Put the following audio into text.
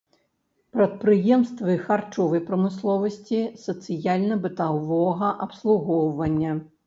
Прадпрыемствы харчовай прамысловасці, сацыяльна-бытавога абслугоўвання.